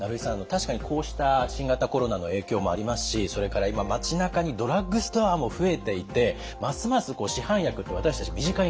確かにこうした新型コロナの影響もありますしそれから今町なかにドラッグストアも増えていてますます市販薬って私たち身近になっていると。